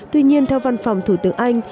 tuy nhiên theo văn phòng thủ tướng anh